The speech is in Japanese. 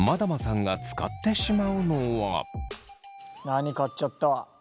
何買っちゃった？